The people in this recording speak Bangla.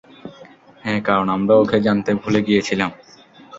হ্যাঁ, কারণ আমরা ওকে আনতে ভুলে গিয়েছিলাম!